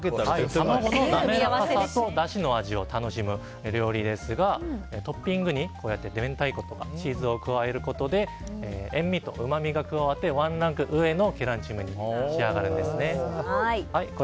卵の滑らかさとだしの味を楽しむ料理ですがトッピングに明太子とかチーズを加えることで塩みとうまみが加わってワンランク上のケランチムに仕上がるんですね。